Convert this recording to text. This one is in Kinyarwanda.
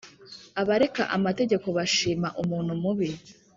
Abareka amategeko bashima umuntu mubi